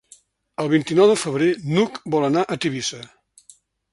El vint-i-nou de febrer n'Hug vol anar a Tivissa.